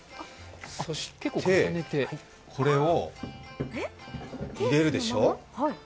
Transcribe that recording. そして、これを入れるでしょう。